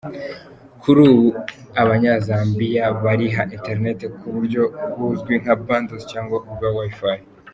Kuri ubu, Abanyazambia bariha interineti mu buryo buzwi nka "bundles" cyangwa ubwa wi-fi.